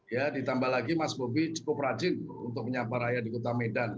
ya ditambah lagi mas bobi cukup rajin untuk menyapa raya di kota medan